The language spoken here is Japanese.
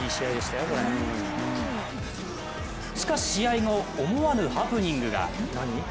しかし試合後、思わぬハプニングが。